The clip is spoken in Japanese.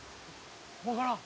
わからん！